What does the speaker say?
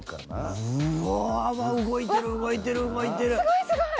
すごいすごい！